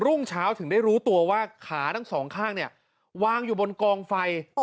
รุ่งเช้าถึงได้รู้ตัวว่าขาทั้งสองข้างเนี่ยวางอยู่บนกองไฟ